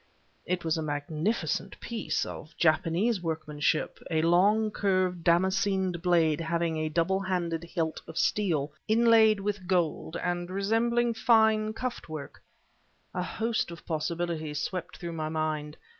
It was a magnificent piece, of Japanese workmanship; a long, curved Damascened blade having a double handed hilt of steel, inlaid with gold, and resembling fine Kuft work. A host of possibilities swept through my mind.